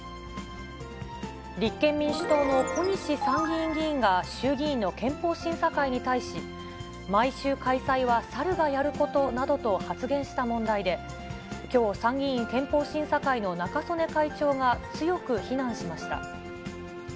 立憲民主党の小西参議院議員が、衆議院の憲法審査会に対し、毎週開催はサルがやることなどと発言した問題で、きょう参議院憲法審査会の中曽根会長が強く非難しました。